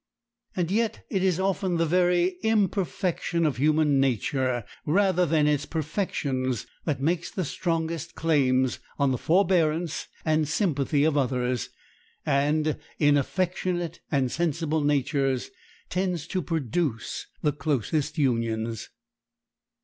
Yet it is often the very imperfection of human nature, rather than its perfections, that makes the strongest claims on the forbearance and sympathy of others and, in affectionate and sensible natures, tends to produce the closest unions.